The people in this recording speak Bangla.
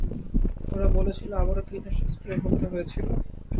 ওরা বলেছিল আবারও কীটনাশক স্প্রে করতে হয়েছিল।